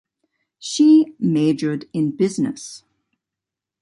She majored in business.